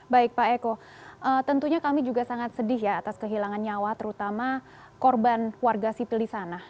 baik pak eko tentunya kami juga sangat sedih ya atas kehilangan nyawa terutama korban warga sipil di sana